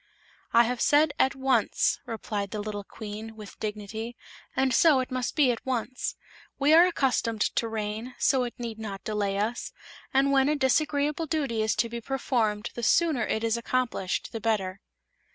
"I have said 'at once'," replied the little Queen, with dignity, "and so it must be at once. We are accustomed to rain, so it need not delay us, and when a disagreeable duty is to be performed the sooner it is accomplished the better."